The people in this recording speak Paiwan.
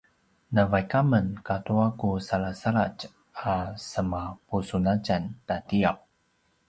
navaik amen katua ku salasaladj a semapusunatjan tatiav